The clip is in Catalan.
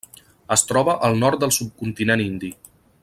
Es troba al nord del subcontinent indi.